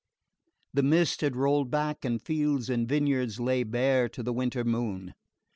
The mist had rolled back and fields and vineyards lay bare to the winter moon.